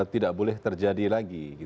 tidak boleh terjadi lagi